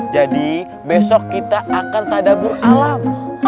jadi besok kita akan tad terrain tctv